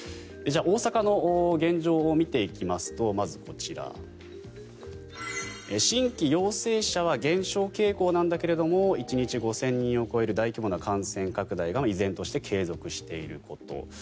じゃあ、大阪の現状を見ていきますとまずこちら、新規陽性者は減少傾向なんだけれども１日５０００人を超える大規模な感染拡大が依然として継続していること。